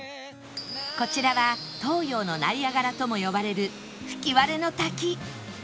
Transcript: こちらは東洋のナイアガラとも呼ばれる吹割の滝